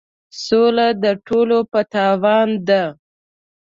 سوله د ټولو په تاوان ده.